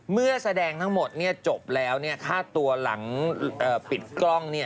เมื่อแสดงทั้งหมดจบแล้วค่าตัวหลังปิดกล้อง